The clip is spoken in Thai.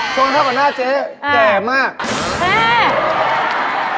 ชนเข้ากับหน้าเจ๊แก่มาก